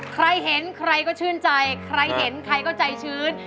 ใครเห็นใครก็ชื่นใจใครเห็นใครก็ใจชื้น